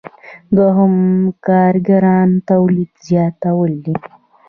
دوهم د کاریګرانو د تولید زیاتول دي.